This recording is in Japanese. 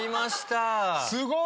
すごい！